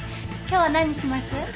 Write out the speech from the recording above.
今日は何にします？